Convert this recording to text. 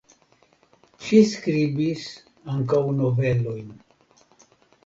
Ŝi skribis ankaŭ novelojn.